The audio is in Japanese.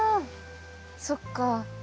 そっか。